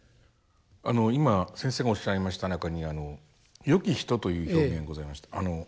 あの今先生がおっしゃいました中に「よき人」という表現ございました。